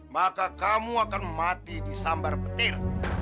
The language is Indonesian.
maka kamu akan mati di sambar petir